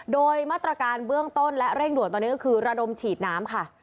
โดยมาตรการเบื้องต้นและเร่งด่วนตอนนี้ก็คือระดมฉีดน้ำค่ะ